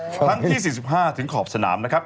ครั้งที่๔๕ถึงขอบสนามนะครับ